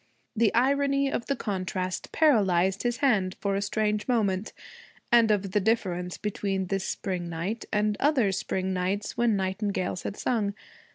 The irony of the contrast paralyzed his hand for a strange moment, and of the difference between this spring night and other spring nights when nightingales had sung.